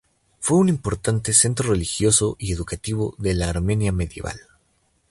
Fue un importante centro religioso y educativo en la Armenia medieval.